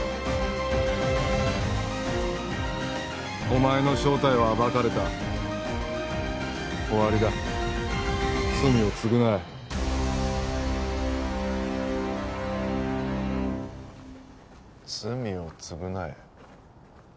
お前の正体は暴かれた終わりだ罪を償え罪を償え？